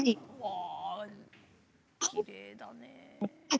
きれいだね。